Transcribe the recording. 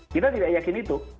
kita tidak yakin itu